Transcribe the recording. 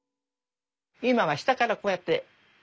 今は下からこうやって。